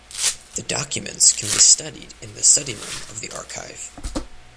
The documents can be studied in the study room of the archive.